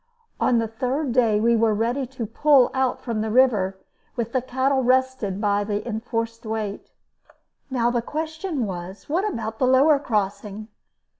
On the third day we were ready to pull out from the river, with the cattle rested by the enforced wait. Now the question was, what about the lower crossing?